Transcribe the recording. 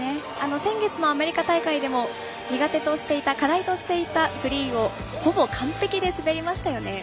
先月のアメリカ大会でも苦手としていた課題としていたフリーをほぼ完璧で滑りましたよね。